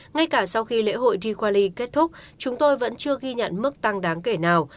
ngay cả sau khi lễ hội diwali kết thúc chúng tôi vẫn chưa ghi nhận mức tăng đáng kể nào